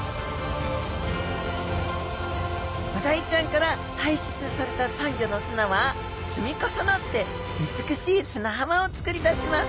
ブダイちゃんから排出されたサンゴの砂は積み重なって美しい砂浜をつくり出します。